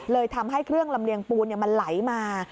ทำให้เครื่องลำเลียงปูนมันไหลมา